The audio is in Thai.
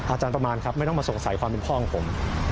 ประมาณครับไม่ต้องมาสงสัยความเป็นพ่อของผม